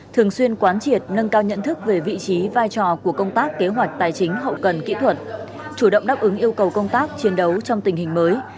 thường xuyên quán triệt nâng cao nhận thức về vị trí vai trò của công tác kế hoạch tài chính hậu cần kỹ thuật chủ động đáp ứng yêu cầu công tác chiến đấu trong tình hình mới